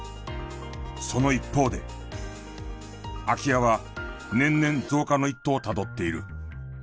その一方で空き家は年々増加の一途をたどっている。